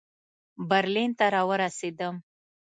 برلین ته را ورسېدم.